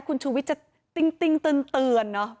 คุณชูวิทย์จะติ้งเตือนเนอะ